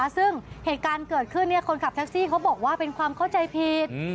ซึ่งเหตุการณ์เกิดขึ้นคนขับแท็กซี่เขาบอกว่าเป็นความเข้าใจผิด